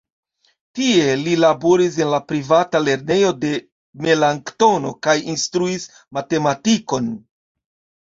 Tie li laboris en la privata lernejo de Melanktono kaj instruis matematikon.